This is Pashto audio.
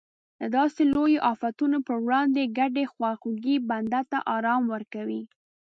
د داسې لویو افتونو پر وړاندې ګډې خواخوږۍ بنده ته ارام ورکوي.